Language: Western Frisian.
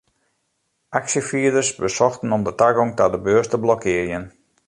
Aksjefierders besochten om de tagong ta de beurs te blokkearjen.